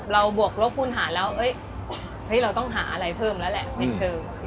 บวกลบคุณหาแล้วเราต้องหาอะไรเพิ่มแล้วแหละในเทอม